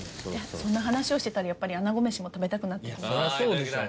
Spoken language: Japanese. そんな話をしてたらやっぱりあなごめしも食べたくなってきますよね